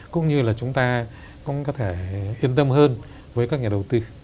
cũng như là chúng ta cũng có thể yên tâm hơn với các nhà đầu tư